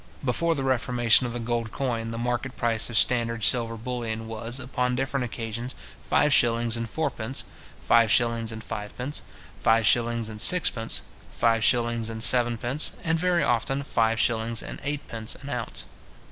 Before the reformation of the gold coin, the market price of standard silver bullion was, upon different occasions, five shillings and fourpence, five shillings and fivepence, five shillings and sixpence, five shillings and sevenpence, and very often five shillings and eightpence an ounce.